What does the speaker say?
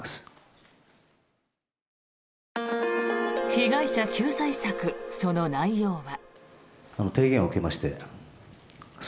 被害者救済策、その内容は。